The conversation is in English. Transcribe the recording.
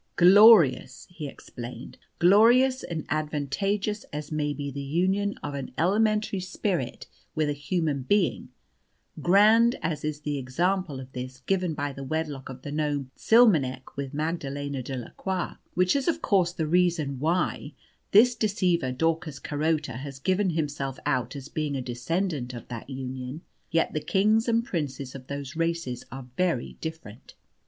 "Glorious," he explained, "glorious and advantageous as may be the union of an elementary spirit with a human being, grand as is the example of this given by the wedlock of the gnome Tsilmenech with Magdalena de la Croix (which is of course the reason why this deceiver Daucus Carota has given himself out as being a descendant of that union), yet the kings and princes of those races are very different.